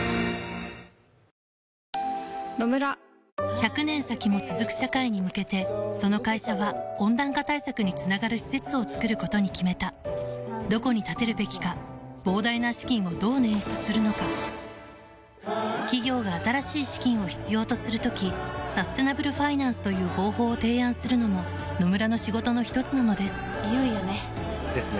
１００年先も続く社会に向けてその会社は温暖化対策につながる施設を作ることに決めたどこに建てるべきか膨大な資金をどう捻出するのか企業が新しい資金を必要とする時サステナブルファイナンスという方法を提案するのも野村の仕事のひとつなのですいよいよね。